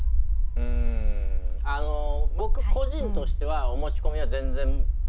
うんあの僕個人としてはお持ち込みは全然問題ないですね。